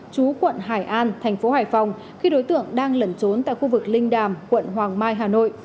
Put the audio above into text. chú quận hải an thành phố hải phòng khi đối tượng đang lẩn trốn tại khu vực linh đàm quận hoàng mai hà nội